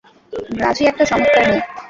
গ্রাজি একটা চমৎকার মেয়ে।